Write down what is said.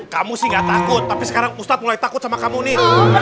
kamu sih gak takut tapi sekarang ustadz mulai takut sama kamu nih